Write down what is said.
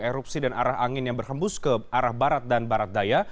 erupsi dan arah angin yang berhembus ke arah barat dan barat daya